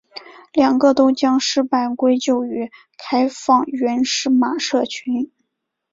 两个都将失败归咎于开放原始码社群。